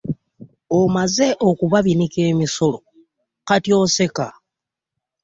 Omaze okubabinika emisolo kati oseka.